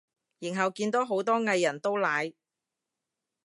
然後見到好多藝人都奶